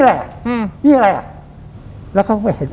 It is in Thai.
อันนี้อะไรอ่ะแล้วเขาก็ไปเห็น